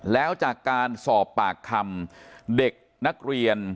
แล้วจากการสอบปากคำเด็กนักเรียน